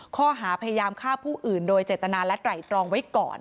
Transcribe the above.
ข้อหาพยายามฆ่าผู้อื่นโดยเจตนาและไตรตรองไว้ก่อน